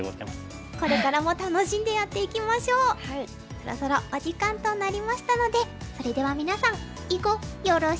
そろそろお時間となりましたのでそれでは皆さんいごよろしく！さようなら！